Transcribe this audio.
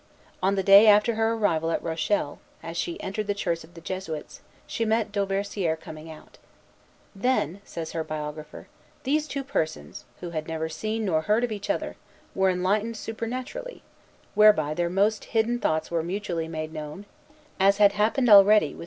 On the day after her arrival at Rochelle, as she entered the Church of the Jesuits, she met Dauversière coming out. "Then," says her biographer, "these two persons, who had never seen nor heard of each other, were enlightened supernaturally, whereby their most hidden thoughts were mutually made known, as had happened already with M.